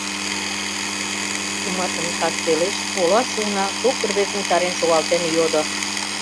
Шуматын кас велеш оласе уна кок рвезым чарен шогалтен йодо: